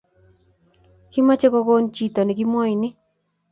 kimakomuche kokan chiton nekimwani